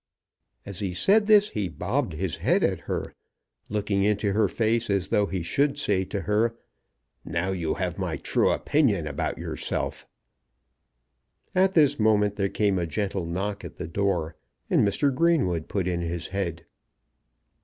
As he said this he bobbed his head at her, looking into her face as though he should say to her, "Now you have my true opinion about yourself." At this moment there came a gentle knock at the door, and Mr. Greenwood put in his head.